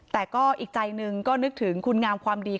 แต่ก็อีกใจหนึ่งก็นึกถึงคุณงามความดี